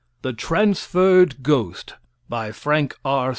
The Transferred Ghost BY FRANK R.